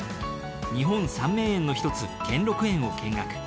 日本三名園の１つ兼六園を見学。